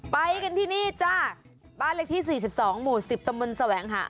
ไปกันที่นี่จ้าบ้านเลขที่๔๒หมู่๑๐ตำบลแสวงหา